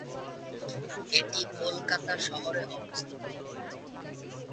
এটি কলকাতা শহরে অবস্থিত।